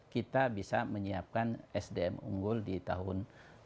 kita bisa menyiapkan sdm unggul di tahun dua ribu dua puluh